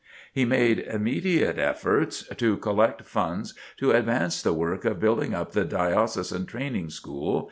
He made immediate efforts to collect funds to advance the work of building up the Diocesan Training School.